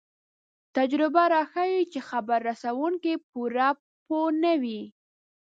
تجربه راښيي چې خبر رسوونکی پوره پوه نه وي.